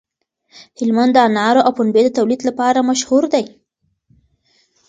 هلمند د انارو او پنبې د تولید لپاره مشهور دی.